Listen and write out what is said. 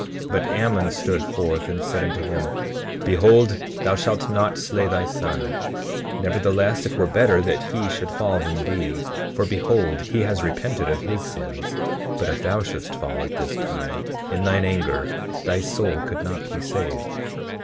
20:17 But Ammon stood forth and said unto him: Behold, thou shalt not slay thy son; nevertheless, it were better that he should fall than thee, for behold, he has repented of his sins; but if thou shouldst fall at this time, in thine anger, thy soul could not be saved.